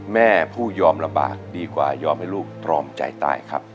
แม่ผู้ยอมลำบากดีกว่ายอมให้ลูกตรอมใจตายครับ